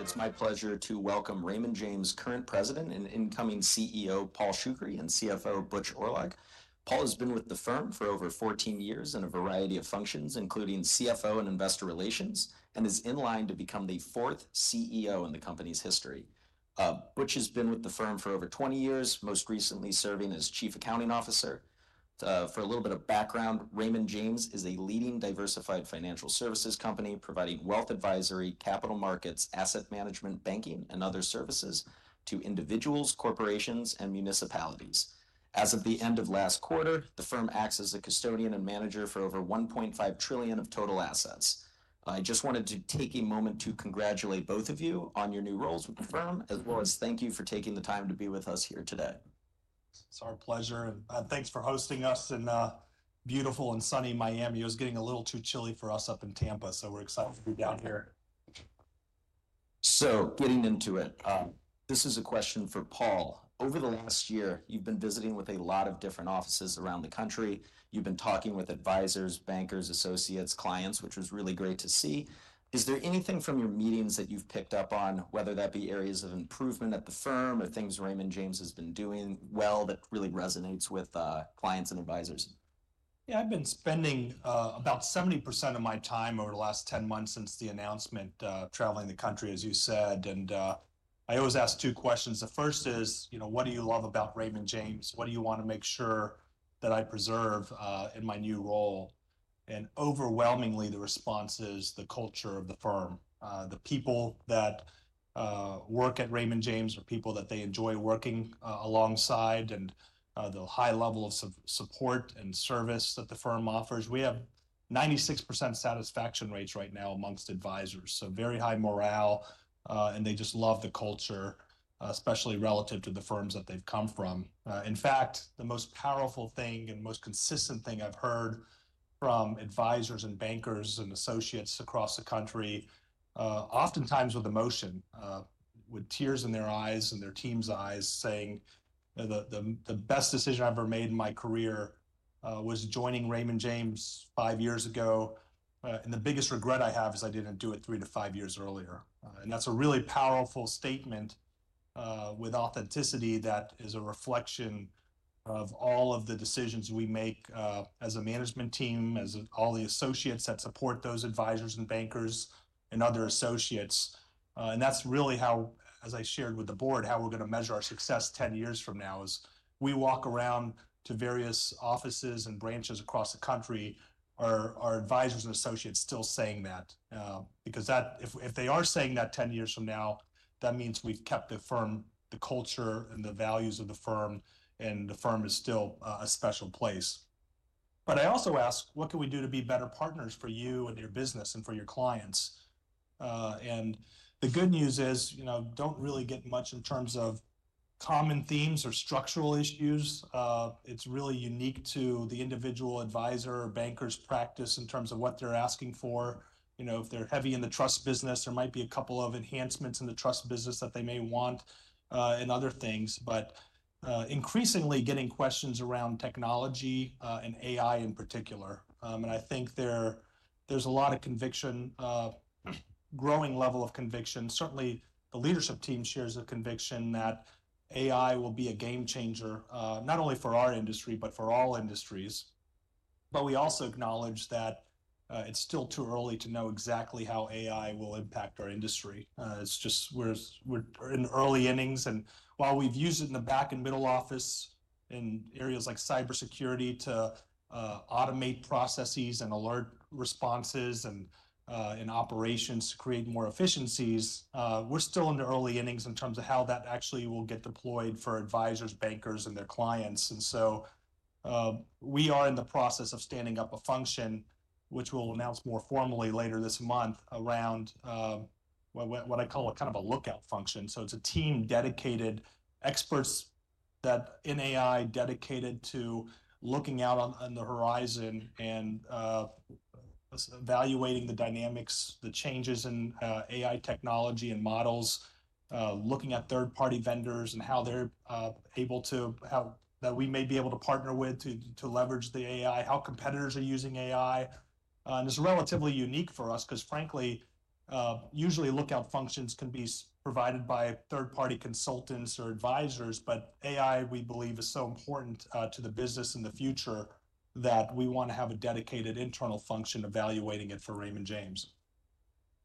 It's my pleasure to welcome Raymond James' current president and incoming CEO, Paul Shoukry, and CFO, Butch Oorlog. Paul has been with the firm for over 14 years in a variety of functions, including CFO and investor relations, and is in line to become the fourth CEO in the company's history. Butch has been with the firm for over 20 years, most recently serving as Chief Accounting Officer. For a little bit of background, Raymond James is a leading diversified financial services company providing wealth advisory, capital markets, asset management, banking, and other services to individuals, corporations, and municipalities. As of the end of last quarter, the firm acts as a custodian and manager for over $1.5 trillion of total assets. I just wanted to take a moment to congratulate both of you on your new roles with the firm, as well as thank you for taking the time to be with us here today. It's our pleasure, and thanks for hosting us in beautiful and sunny Miami. It was getting a little too chilly for us up in Tampa, so we're excited to be down here. So getting into it, this is a question for Paul. Over the last year, you've been visiting with a lot of different offices around the country. You've been talking with advisors, bankers, associates, clients, which was really great to see. Is there anything from your meetings that you've picked up on, whether that be areas of improvement at the firm or things Raymond James has been doing well that really resonates with clients and advisors? Yeah, I've been spending about 70% of my time over the last 10 months since the announcement, traveling the country, as you said. And I always ask two questions. The first is, you know, what do you love about Raymond James? What do you want to make sure that I preserve in my new role? And overwhelmingly, the response is the culture of the firm. The people that work at Raymond James are people that they enjoy working alongside, and the high level of support and service that the firm offers. We have 96% satisfaction rates right now among advisors, so very high morale, and they just love the culture, especially relative to the firms that they've come from. In fact, the most powerful thing and most consistent thing I've heard from advisors and bankers and associates across the country, oftentimes with emotion, with tears in their eyes and their team's eyes, saying, "The best decision I've ever made in my career was joining Raymond James five years ago, and the biggest regret I have is I didn't do it three to five years earlier." And that's a really powerful statement with authenticity that is a reflection of all of the decisions we make as a management team, as all the associates that support those advisors and bankers and other associates. And that's really how, as I shared with the board, how we're going to measure our success 10 years from now is we walk around to various offices and branches across the country, our advisors and associates still saying that. Because if they are saying that 10 years from now, that means we've kept the firm, the culture, and the values of the firm, and the firm is still a special place. But I also ask, what can we do to be better partners for you and your business and for your clients? And the good news is, you know, don't really get much in terms of common themes or structural issues. It's really unique to the individual advisor or banker's practice in terms of what they're asking for. You know, if they're heavy in the trust business, there might be a couple of enhancements in the trust business that they may want and other things. But increasingly getting questions around technology and AI in particular. And I think there's a lot of conviction, growing level of conviction. Certainly, the leadership team shares a conviction that AI will be a game changer, not only for our industry, but for all industries. But we also acknowledge that it's still too early to know exactly how AI will impact our industry. It's just we're in early innings. And while we've used it in the back and middle office in areas like cybersecurity to automate processes and alert responses and operations to create more efficiencies, we're still in the early innings in terms of how that actually will get deployed for advisors, bankers, and their clients. And so we are in the process of standing up a function, which we'll announce more formally later this month around what I call a kind of a lookout function. It's a team dedicated, experts that in AI dedicated to looking out on the horizon and evaluating the dynamics, the changes in AI technology and models, looking at third-party vendors and how they're able to, how that we may be able to partner with to leverage the AI, how competitors are using AI. It's relatively unique for us because, frankly, usually lookout functions can be provided by third-party consultants or advisors. AI, we believe, is so important to the business in the future that we want to have a dedicated internal function evaluating it for Raymond James.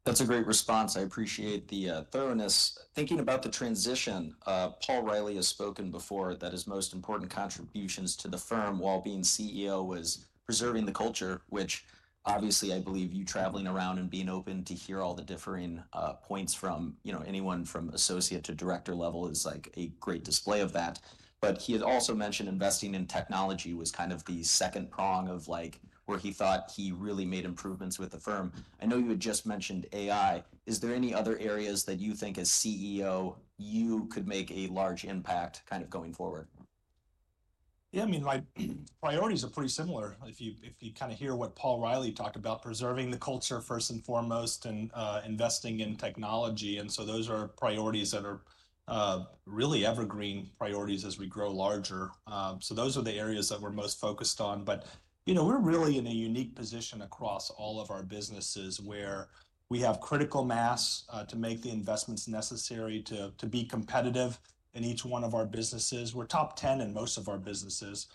That's a great response. I appreciate the thoroughness. Thinking about the transition, Paul Reilly has spoken before that his most important contributions to the firm while being CEO was preserving the culture, which obviously I believe you traveling around and being open to hear all the differing points from, you know, anyone from associate to director level is like a great display of that. But he had also mentioned investing in technology was kind of the second prong of like where he thought he really made improvements with the firm. I know you had just mentioned AI. Is there any other areas that you think as CEO you could make a large impact kind of going forward? Yeah, I mean, like priorities are pretty similar. If you kind of hear what Paul Reilly talked about, preserving the culture first and foremost and investing in technology, and so those are priorities that are really evergreen priorities as we grow larger. So those are the areas that we're most focused on. But, you know, we're really in a unique position across all of our businesses where we have critical mass to make the investments necessary to be competitive in each one of our businesses. We're top 10 in most of our businesses.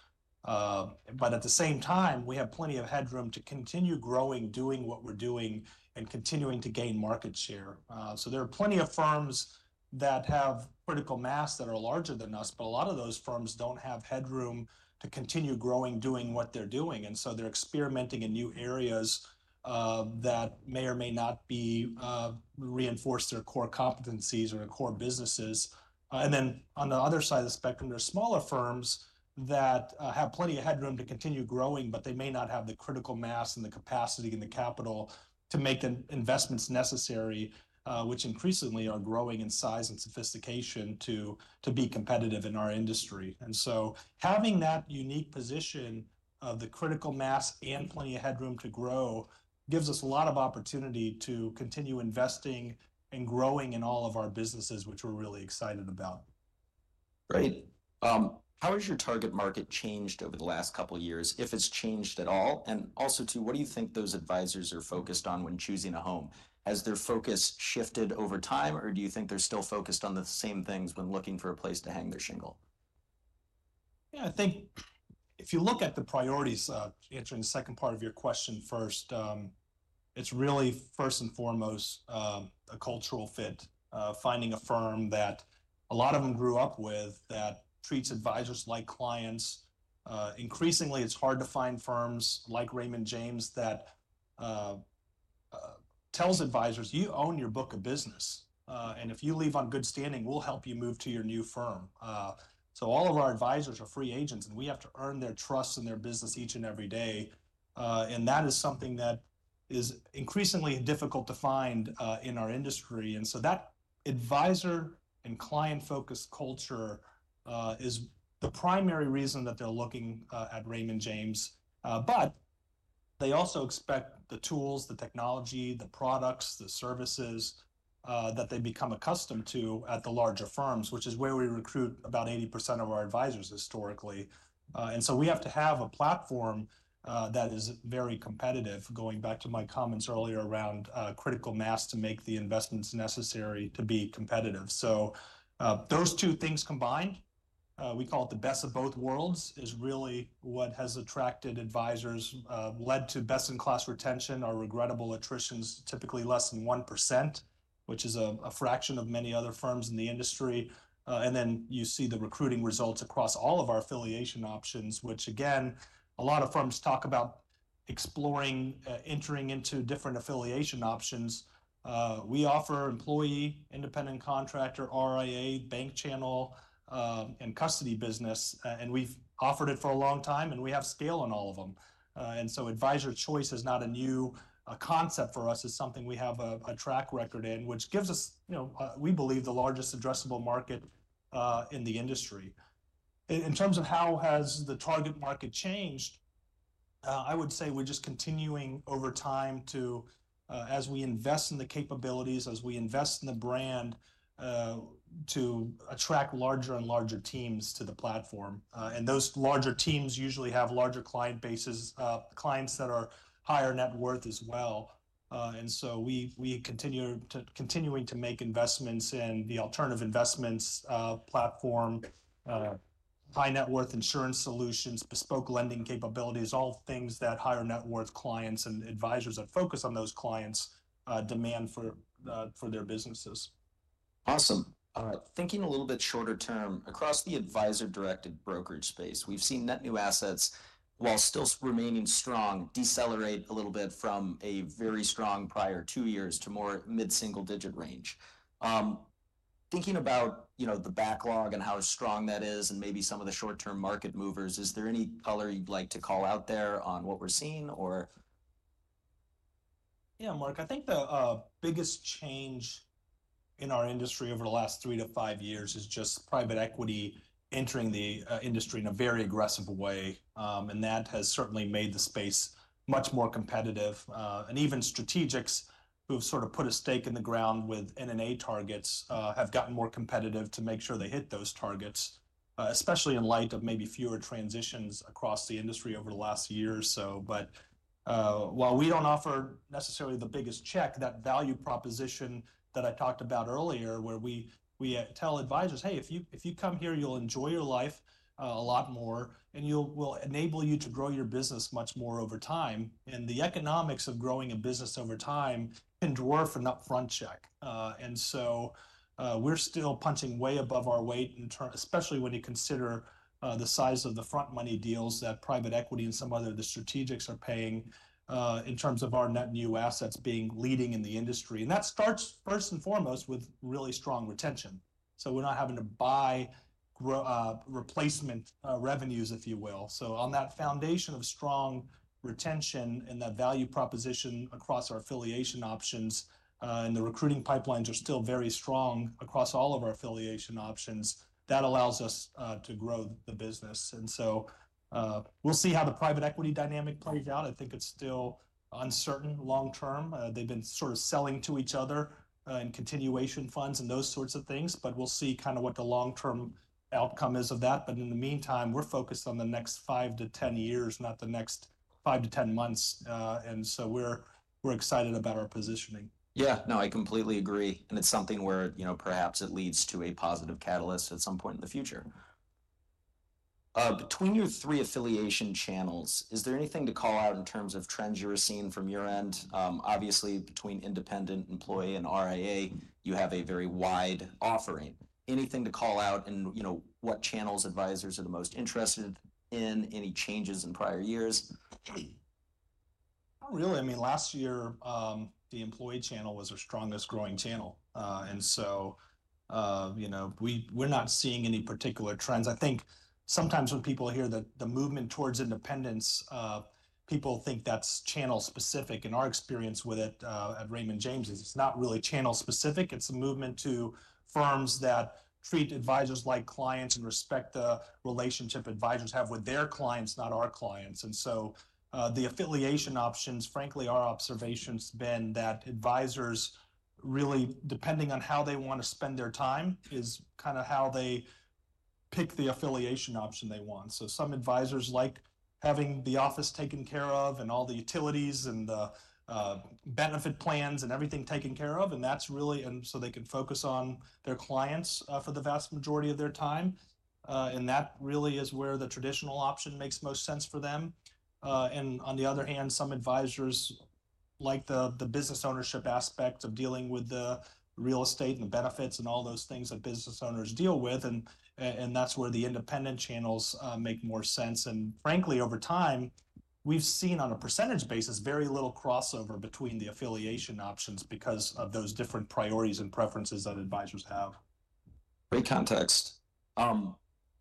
But at the same time, we have plenty of headroom to continue growing, doing what we're doing, and continuing to gain market share. So there are plenty of firms that have critical mass that are larger than us, but a lot of those firms don't have headroom to continue growing, doing what they're doing. And so they're experimenting in new areas that may or may not reinforce their core competencies or core businesses. And then on the other side of the spectrum, there are smaller firms that have plenty of headroom to continue growing, but they may not have the critical mass and the capacity and the capital to make the investments necessary, which increasingly are growing in size and sophistication to be competitive in our industry. And so having that unique position of the critical mass and plenty of headroom to grow gives us a lot of opportunity to continue investing and growing in all of our businesses, which we're really excited about. Great. How has your target market changed over the last couple of years, if it's changed at all? And also too, what do you think those advisors are focused on when choosing a home? Has their focus shifted over time, or do you think they're still focused on the same things when looking for a place to hang their shingle? Yeah, I think if you look at the priorities, answering the second part of your question first, it's really first and foremost a cultural fit, finding a firm that a lot of them grew up with that treats advisors like clients. Increasingly, it's hard to find firms like Raymond James that tells advisors, "You own your book of business, and if you leave on good standing, we'll help you move to your new firm." So all of our advisors are free agents, and we have to earn their trust in their business each and every day, and that is something that is increasingly difficult to find in our industry, and so that advisor and client-focused culture is the primary reason that they're looking at Raymond James. But they also expect the tools, the technology, the products, the services that they become accustomed to at the larger firms, which is where we recruit about 80% of our advisors historically. And so we have to have a platform that is very competitive, going back to my comments earlier around critical mass to make the investments necessary to be competitive. So those two things combined, we call it the best of both worlds, is really what has attracted advisors, led to best-in-class retention, our regrettable attritions, typically less than 1%, which is a fraction of many other firms in the industry. And then you see the recruiting results across all of our affiliation options, which again, a lot of firms talk about exploring, entering into different affiliation options. We offer employee, independent contractor, RIA, bank channel, and custody business. We've offered it for a long time, and we have scale in all of them. Advisor choice is not a new concept for us, is something we have a track record in, which gives us, you know, we believe the largest addressable market in the industry. In terms of how has the target market changed, I would say we're just continuing over time to, as we invest in the capabilities, as we invest in the brand, to attract larger and larger teams to the platform. Those larger teams usually have larger client bases, clients that are higher net worth as well. We continue to make investments in the alternative investments platform, high net worth insurance solutions, bespoke lending capabilities, all things that higher net worth clients and advisors that focus on those clients demand for their businesses. Awesome. Thinking a little bit shorter term, across the advisor-directed brokerage space, we've seen net new assets, while still remaining strong, decelerate a little bit from a very strong prior two years to more mid-single digit range. Thinking about, you know, the backlog and how strong that is and maybe some of the short-term market movers, is there any color you'd like to call out there on what we're seeing or? Yeah, Mark, I think the biggest change in our industry over the last three to five years is just private equity entering the industry in a very aggressive way. And that has certainly made the space much more competitive. And even strategics who have sort of put a stake in the ground with M&A targets have gotten more competitive to make sure they hit those targets, especially in light of maybe fewer transitions across the industry over the last year or so. But while we don't offer necessarily the biggest check, that value proposition that I talked about earlier, where we tell advisors, "Hey, if you come here, you'll enjoy your life a lot more, and we'll enable you to grow your business much more over time." And the economics of growing a business over time can dwarf an upfront check. And so we're still punching way above our weight, especially when you consider the size of the front money deals that private equity and some other of the strategics are paying in terms of our net new assets being leading in the industry. And that starts first and foremost with really strong retention. So we're not having to buy replacement revenues, if you will. So on that foundation of strong retention and that value proposition across our affiliation options, and the recruiting pipelines are still very strong across all of our affiliation options, that allows us to grow the business. And so we'll see how the private equity dynamic plays out. I think it's still uncertain long term. They've been sort of selling to each other in continuation funds and those sorts of things, but we'll see kind of what the long-term outcome is of that. But in the meantime, we're focused on the next five to 10 years, not the next five to 10 months. And so we're excited about our positioning. Yeah, no, I completely agree, and it's something where, you know, perhaps it leads to a positive catalyst at some point in the future. Between your three affiliation channels, is there anything to call out in terms of trends you're seeing from your end? Obviously, between independent employee and RIA, you have a very wide offering. Anything to call out in, you know, what channels advisors are the most interested in, any changes in prior years? Not really. I mean, last year, the employee channel was our strongest growing channel. And so, you know, we're not seeing any particular trends. I think sometimes when people hear that the movement towards independence, people think that's channel specific. And our experience with it at Raymond James is it's not really channel specific. It's a movement to firms that treat advisors like clients and respect the relationship advisors have with their clients, not our clients. And so the affiliation options, frankly, our observation's been that advisors really, depending on how they want to spend their time, is kind of how they pick the affiliation option they want. So some advisors like having the office taken care of and all the utilities and the benefit plans and everything taken care of. And that's really, and so they can focus on their clients for the vast majority of their time. And that really is where the traditional option makes most sense for them. And on the other hand, some advisors like the business ownership aspect of dealing with the real estate and the benefits and all those things that business owners deal with. And that's where the independent channels make more sense. And frankly, over time, we've seen on a percentage basis, very little crossover between the affiliation options because of those different priorities and preferences that advisors have. Great context.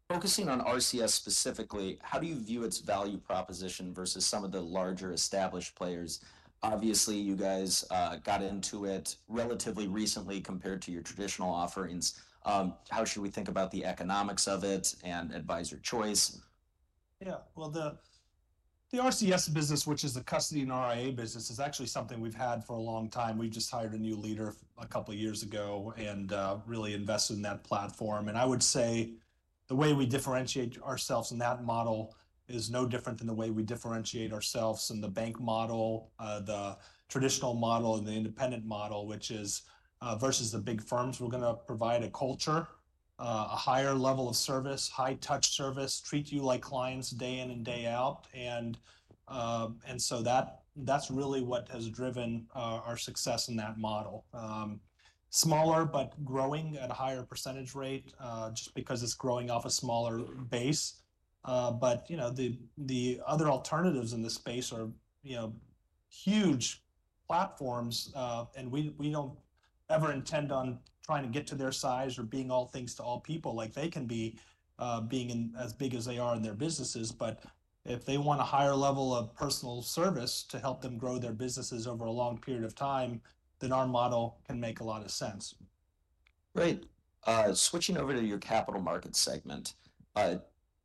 Focusing on RCS specifically, how do you view its value proposition versus some of the larger established players? Obviously, you guys got into it relatively recently compared to your traditional offerings. How should we think about the economics of it and advisor choice? Yeah, well, the RCS business, which is the custody and RIA business, is actually something we've had for a long time. We just hired a new leader a couple of years ago and really invested in that platform. And I would say the way we differentiate ourselves in that model is no different than the way we differentiate ourselves in the bank model, the traditional model, and the independent model, which is versus the big firms. We're going to provide a culture, a higher level of service, high-touch service, treat you like clients day in and day out. And so that's really what has driven our success in that model. Smaller, but growing at a higher percentage rate just because it's growing off a smaller base. But, you know, the other alternatives in this space are, you know, huge platforms. We don't ever intend on trying to get to their size or being all things to all people like they can be being as big as they are in their businesses. If they want a higher level of personal service to help them grow their businesses over a long period of time, then our model can make a lot of sense. Great. Switching over to your Capital Markets segment.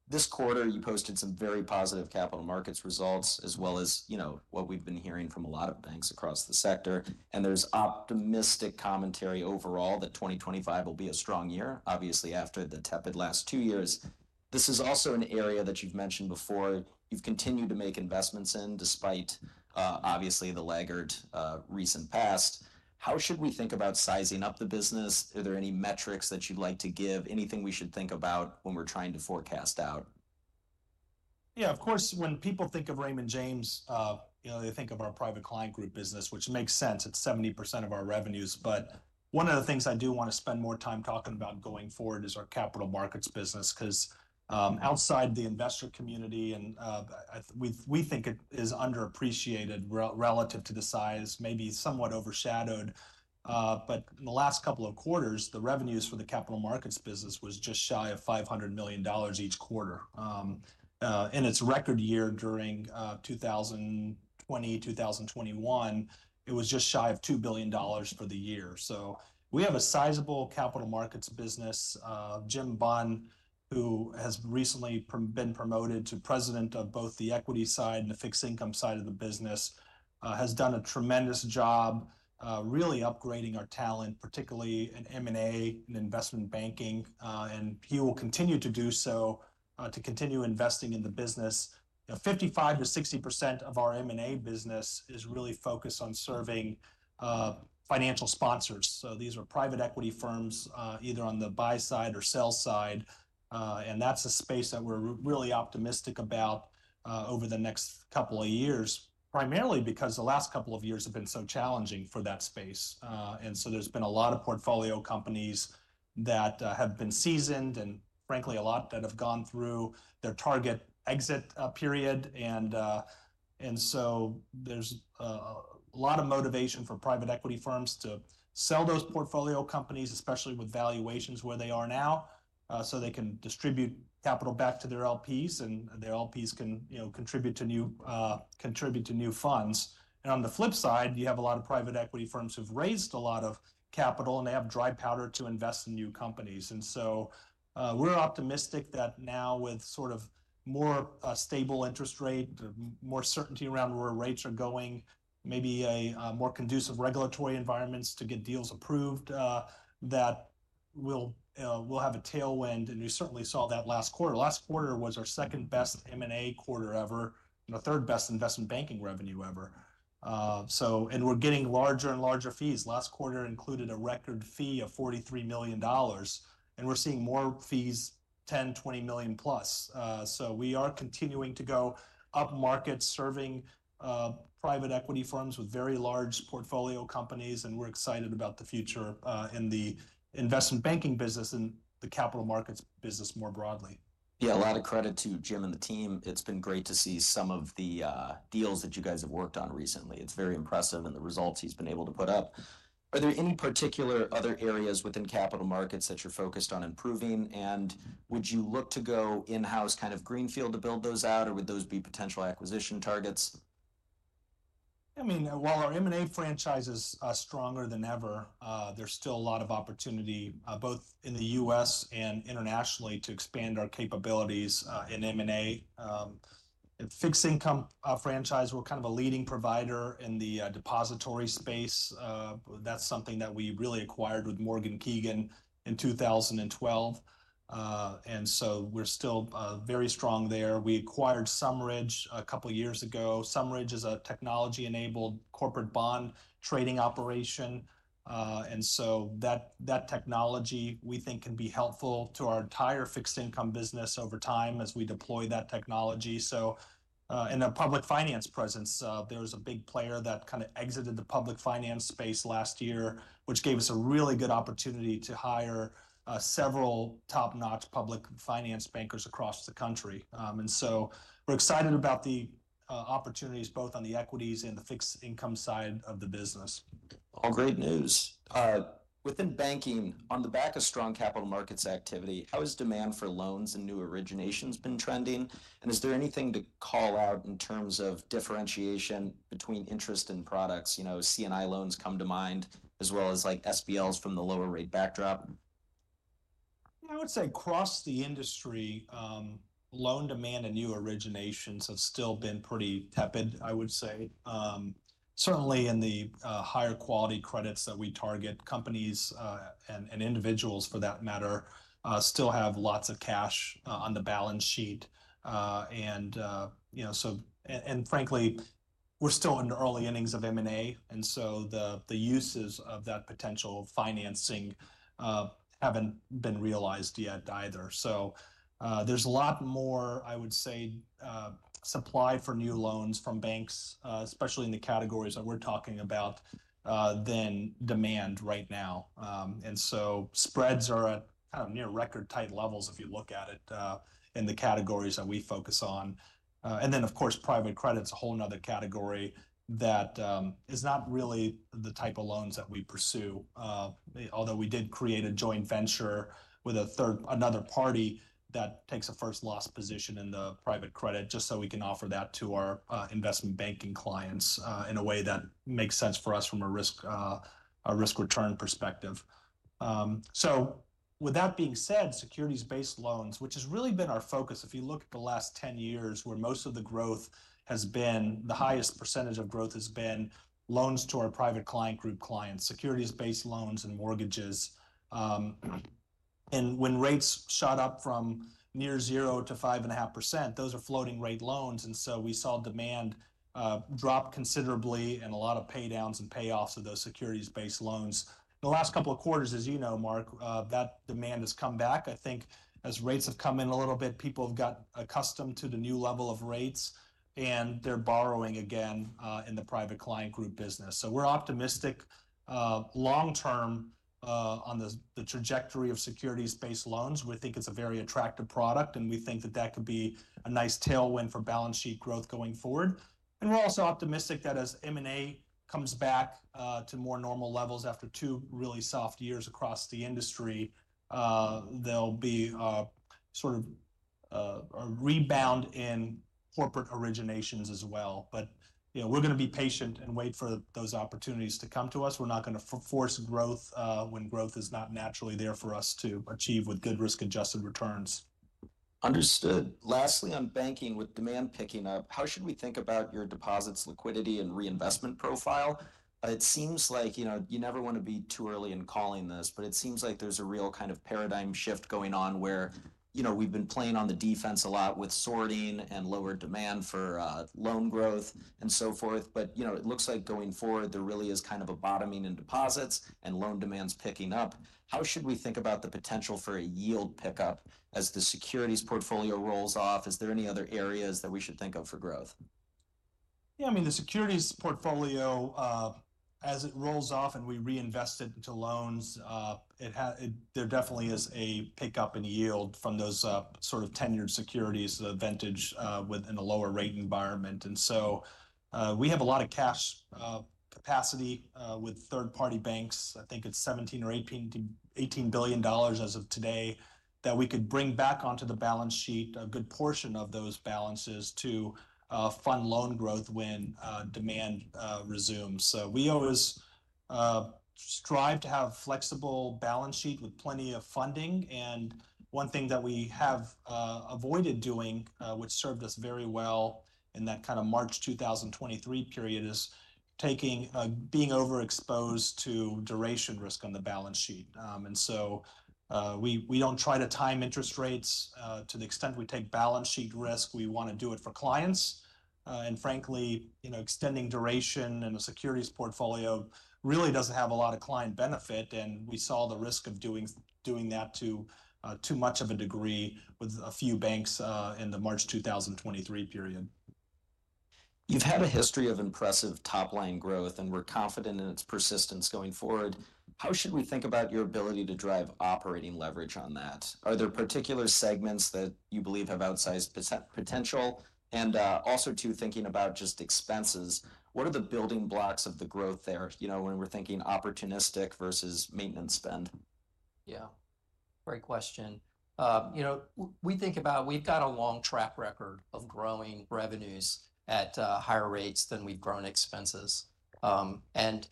This quarter, you posted some very positive Capital Markets results as well as, you know, what we've been hearing from a lot of banks across the sector. And there's optimistic commentary overall that 2025 will be a strong year, obviously after the tepid last two years. This is also an area that you've mentioned before. You've continued to make investments in despite obviously the laggard recent past. How should we think about sizing up the business? Are there any metrics that you'd like to give? Anything we should think about when we're trying to forecast out? Yeah, of course, when people think of Raymond James, you know, they think of our private client group business, which makes sense. It's 70% of our revenues. But one of the things I do want to spend more time talking about going forward is our capital markets business because outside the investor community, and we think it is underappreciated relative to the size, maybe somewhat overshadowed. But in the last couple of quarters, the revenues for the capital markets business was just shy of $500 million each quarter. In its record year during 2020, 2021, it was just shy of $2 billion for the year. So we have a sizable capital markets business. Jim Bunn, who has recently been promoted to President of both the equity side and the fixed income side of the business, has done a tremendous job really upgrading our talent, particularly in M&A and investment banking. He will continue to do so to continue investing in the business. 55%-60% of our M&A business is really focused on serving financial sponsors. These are private equity firms either on the buy side or sell side. That's a space that we're really optimistic about over the next couple of years, primarily because the last couple of years have been so challenging for that space. There's been a lot of portfolio companies that have been seasoned and frankly, a lot that have gone through their target exit period. There's a lot of motivation for private equity firms to sell those portfolio companies, especially with valuations where they are now, so they can distribute capital back to their LPs and their LPs can, you know, contribute to new, contribute to new funds. On the flip side, you have a lot of private equity firms who've raised a lot of capital and they have dry powder to invest in new companies. So we're optimistic that now with sort of more stable interest rate, more certainty around where rates are going, maybe a more conducive regulatory environments to get deals approved that will have a tailwind. We certainly saw that last quarter. Last quarter was our second best M&A quarter ever and our third best investment banking revenue ever. So and we're getting larger and larger fees. Last quarter included a record fee of $43 million. We're seeing more fees, $10 million, $20 million plus. We are continuing to go up market, serving private equity firms with very large portfolio companies. We're excited about the future in the investment banking business and the capital markets business more broadly. Yeah, a lot of credit to Jim and the team. It's been great to see some of the deals that you guys have worked on recently. It's very impressive and the results he's been able to put up. Are there any particular other areas within Capital Markets that you're focused on improving? And would you look to go in-house kind of greenfield to build those out, or would those be potential acquisition targets? I mean, while our M&A franchise is stronger than ever, there's still a lot of opportunity both in the U.S. and internationally to expand our capabilities in M&A. Fixed income franchise, we're kind of a leading provider in the depository space. That's something that we really acquired with Morgan Keegan in 2012. And so we're still very strong there. We acquired SumRidge a couple of years ago. SumRidge is a technology-enabled corporate bond trading operation. And so that technology we think can be helpful to our entire fixed income business over time as we deploy that technology. So, and our public finance presence, there was a big player that kind of exited the public finance space last year, which gave us a really good opportunity to hire several top-notch public finance bankers across the country. And so we're excited about the opportunities both on the equities and the fixed income side of the business. All great news. Within banking, on the back of strong capital markets activity, how has demand for loans and new originations been trending? And is there anything to call out in terms of differentiation between interest and products? You know, C&I loans come to mind as well as like SBLs from the lower rate backdrop. I would say across the industry, loan demand and new originations have still been pretty tepid, I would say. Certainly in the higher quality credits that we target, companies and individuals for that matter still have lots of cash on the balance sheet, and, you know, so, and frankly, we're still in the early innings of M&A, and so the uses of that potential financing haven't been realized yet either, so there's a lot more, I would say, supply for new loans from banks, especially in the categories that we're talking about than demand right now, and so spreads are at kind of near record tight levels if you look at it in the categories that we focus on, and then, of course, private credit's a whole another category that is not really the type of loans that we pursue. Although we did create a joint venture with another party that takes a first loss position in the private credit just so we can offer that to our investment banking clients in a way that makes sense for us from a risk return perspective, so with that being said, securities-based loans, which has really been our focus if you look at the last 10 years where most of the growth has been, the highest percentage of growth has been loans to our Private Client Group clients, securities-based loans and mortgages, and when rates shot up from near zero to 5.5%, those are floating rate loans, and so we saw demand drop considerably and a lot of paydowns and payoffs of those securities-based loans. The last couple of quarters, as you know, Mark, that demand has come back. I think as rates have come in a little bit, people have got accustomed to the new level of rates and they're borrowing again in the Private Client Group business, so we're optimistic long term on the trajectory of securities-based loans. We think it's a very attractive product and we think that that could be a nice tailwind for balance sheet growth going forward, and we're also optimistic that as M&A comes back to more normal levels after two really soft years across the industry, there'll be sort of a rebound in corporate originations as well, but, you know, we're going to be patient and wait for those opportunities to come to us. We're not going to force growth when growth is not naturally there for us to achieve with good risk-adjusted returns. Understood. Lastly, on banking with demand picking up, how should we think about your deposits, liquidity, and reinvestment profile? It seems like, you know, you never want to be too early in calling this, but it seems like there's a real kind of paradigm shift going on where, you know, we've been playing on the defense a lot with sorting and lower demand for loan growth and so forth. But, you know, it looks like going forward, there really is kind of a bottoming in deposits and loan demands picking up. How should we think about the potential for a yield pickup as the securities portfolio rolls off? Is there any other areas that we should think of for growth? Yeah, I mean, the securities portfolio, as it rolls off and we reinvest it into loans, there definitely is a pickup in yield from those sort of tenured securities, the vintage within a lower rate environment. And so we have a lot of cash capacity with third-party banks. I think it's $17 billion or $18 billion as of today that we could bring back onto the balance sheet, a good portion of those balances to fund loan growth when demand resumes. So we always strive to have a flexible balance sheet with plenty of funding. And one thing that we have avoided doing, which served us very well in that kind of March 2023 period, is taking being overexposed to duration risk on the balance sheet. And so we don't try to time interest rates to the extent we take balance sheet risk. We want to do it for clients. Frankly, you know, extending duration in a securities portfolio really doesn't have a lot of client benefit. We saw the risk of doing that to too much of a degree with a few banks in the March 2023 period. You've had a history of impressive top-line growth and we're confident in its persistence going forward. How should we think about your ability to drive operating leverage on that? Are there particular segments that you believe have outsized potential? And also too, thinking about just expenses, what are the building blocks of the growth there, you know, when we're thinking opportunistic versus maintenance spend? Yeah, great question. You know, we think about we've got a long track record of growing revenues at higher rates than we've grown expenses. And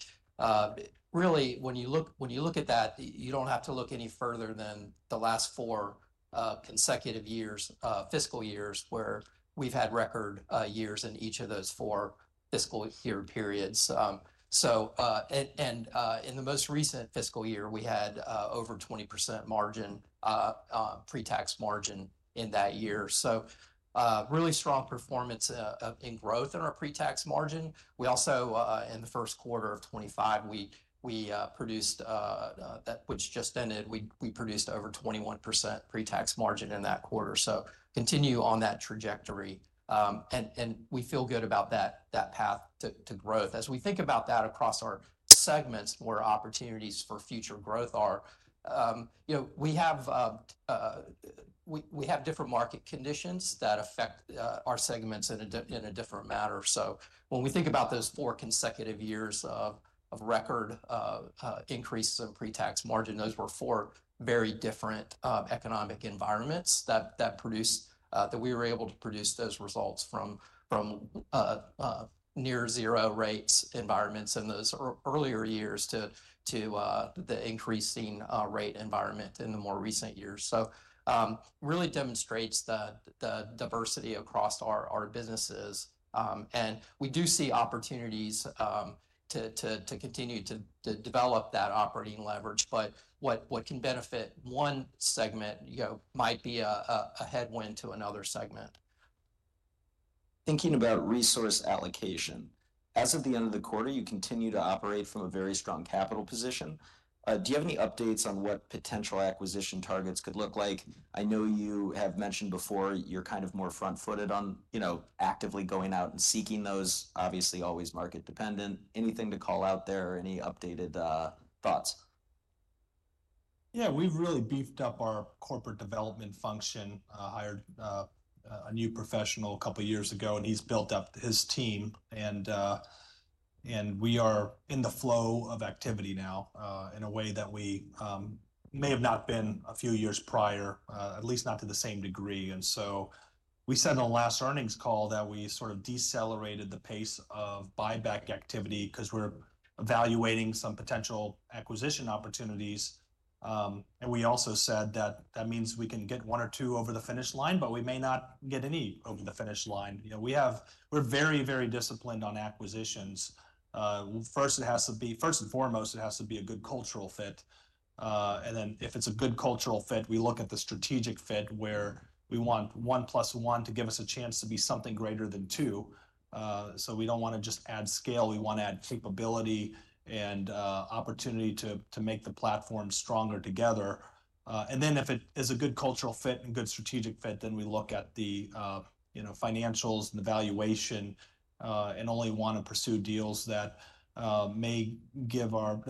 really, when you look at that, you don't have to look any further than the last four consecutive years, fiscal years, where we've had record years in each of those four fiscal year periods. So, and in the most recent fiscal year, we had over 20% margin, pre-tax margin in that year. So really strong performance in growth in our pre-tax margin. We also, in the first quarter of 2025, we produced that which just ended, we produced over 21% pre-tax margin in that quarter. So continue on that trajectory. And we feel good about that path to growth. As we think about that across our segments, where opportunities for future growth are, you know, we have different market conditions that affect our segments in a different manner. So when we think about those four consecutive years of record increase in pre-tax margin, those were four very different economic environments that produced that we were able to produce those results from near zero rates environments in those earlier years to the increasing rate environment in the more recent years. So really demonstrates the diversity across our businesses. And we do see opportunities to continue to develop that operating leverage. But what can benefit one segment, you know, might be a headwind to another segment. Thinking about resource allocation, as of the end of the quarter, you continue to operate from a very strong capital position. Do you have any updates on what potential acquisition targets could look like? I know you have mentioned before you're kind of more front-footed on, you know, actively going out and seeking those, obviously always market dependent. Anything to call out there or any updated thoughts? Yeah, we've really beefed up our corporate development function. Hired a new professional a couple of years ago and he's built up his team. And we are in the flow of activity now in a way that we may have not been a few years prior, at least not to the same degree. And so we said on the last earnings call that we sort of decelerated the pace of buyback activity because we're evaluating some potential acquisition opportunities. And we also said that that means we can get one or two over the finish line, but we may not get any over the finish line. You know, we have, we're very, very disciplined on acquisitions. First, it has to be, first and foremost, it has to be a good cultural fit. And then if it's a good cultural fit, we look at the strategic fit where we want one plus one to give us a chance to be something greater than two. So we don't want to just add scale. We want to add capability and opportunity to make the platform stronger together. And then if it is a good cultural fit and good strategic fit, then we look at the, you know, financials and the valuation and only want to pursue deals that may give our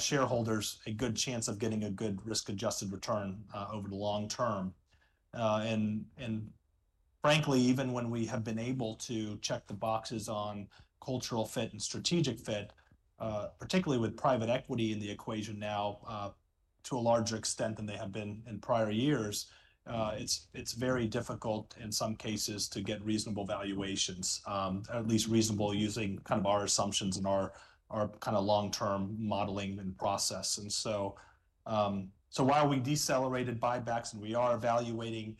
shareholders a good chance of getting a good risk-adjusted return over the long term. Frankly, even when we have been able to check the boxes on cultural fit and strategic fit, particularly with private equity in the equation now to a larger extent than they have been in prior years, it's very difficult in some cases to get reasonable valuations, at least reasonable using kind of our assumptions and our kind of long-term modeling and process. So while we decelerated buybacks and we are evaluating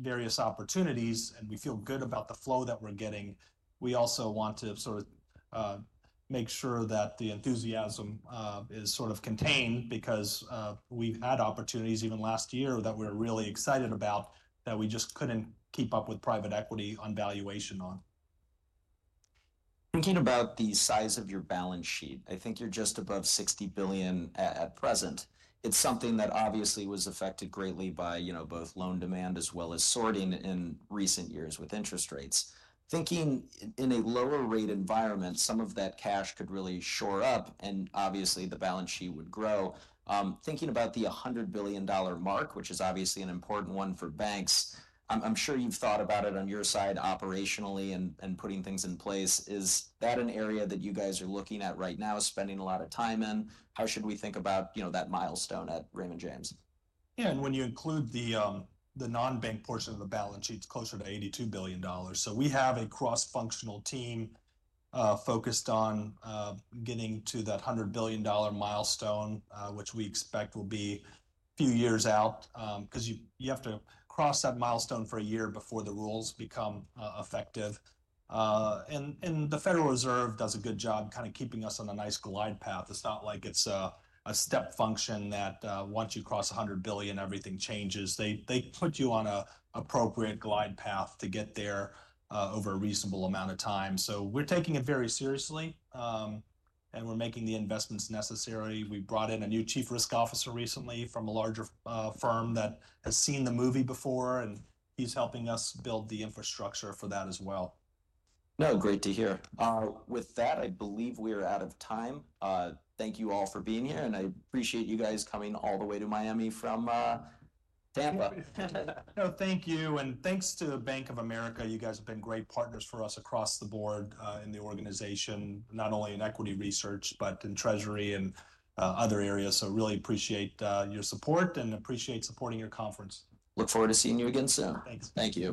various opportunities and we feel good about the flow that we're getting, we also want to sort of make sure that the enthusiasm is sort of contained because we've had opportunities even last year that we're really excited about that we just couldn't keep up with private equity on valuation. Thinking about the size of your balance sheet, I think you're just above $60 billion at present. It's something that obviously was affected greatly by, you know, both loan demand as well as sorting in recent years with interest rates. Thinking in a lower rate environment, some of that cash could really shore up and obviously the balance sheet would grow. Thinking about the $100 billion mark, which is obviously an important one for banks, I'm sure you've thought about it on your side operationally and putting things in place. Is that an area that you guys are looking at right now, spending a lot of time in? How should we think about, you know, that milestone at Raymond James? Yeah, and when you include the non-bank portion of the balance sheet, it's closer to $82 billion. So we have a cross-functional team focused on getting to that $100 billion milestone, which we expect will be a few years out because you have to cross that milestone for a year before the rules become effective. And the Federal Reserve does a good job kind of keeping us on a nice glide path. It's not like it's a step function that once you cross 100 billion, everything changes. They put you on an appropriate glide path to get there over a reasonable amount of time. So we're taking it very seriously and we're making the investments necessary. We brought in a new chief risk officer recently from a larger firm that has seen the movie before and he's helping us build the infrastructure for that as well. No, great to hear. With that, I believe we are out of time. Thank you all for being here, and I appreciate you guys coming all the way to Miami from Tampa. No, thank you. And thanks to Bank of America. You guys have been great partners for us across the board in the organization, not only in equity research, but in treasury and other areas. So really appreciate your support and appreciate supporting your conference. Look forward to seeing you again soon. Thanks. Thank you.